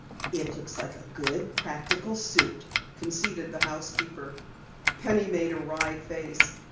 "It looks like a good, practical suit," conceded the housekeeper. Penny made a wry face.